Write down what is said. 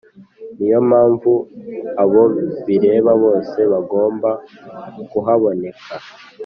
Niyo mpamvu abo bireba bose bagombye kuhaboneka